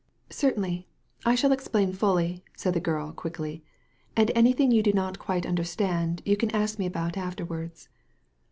"Certainly; I shall explain fully," said the girl, quickly, " and anything you do not quite understand you can ask me about afterwards.